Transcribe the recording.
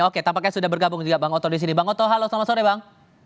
oke tampaknya sudah bergabung juga bang oto disini bang oto halo selamat sore bang